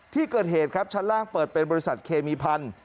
ที่เกิดเหตุครับชั้นล่างเปิดเป็นบริษัทเคมีพันธุ์